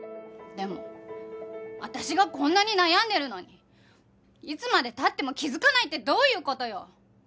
でも私がこんなに悩んでるのにいつまで経っても気づかないってどういう事よ？